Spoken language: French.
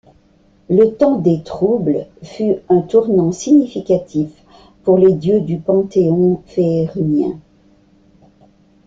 Le Temps des Troubles fut un tournant significatif pour les dieux du Panthéon Féérunien.